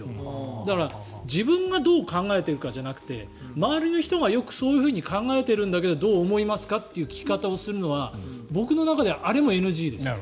だから、自分がどう考えてるんじゃなくて周りの人がそういうふうに考えてるんだけどどう思いますか？という聞き方をするのは僕の中ではあれもＮＧです。